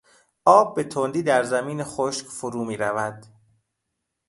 آب به تندی در زمین خشک فرو میرود.